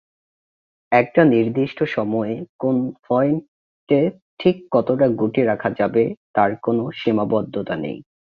একটা নির্দিষ্ট সময়ে কোন পয়েন্টে ঠিক কতটা গুটি রাখা যাবে তার কোন সীমাবদ্ধতা নেই।